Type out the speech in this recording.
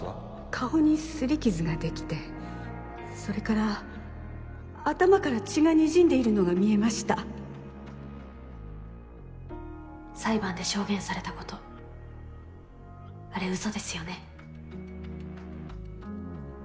顔に擦り傷が出来てそれから頭から血がにじんでいるのが見えました裁判で証言されたことあれ嘘ですよね。